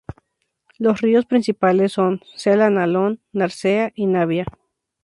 Los ríos principales son: Sella, Nalón, Narcea y Navia.